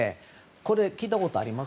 これ、聞いたことあります？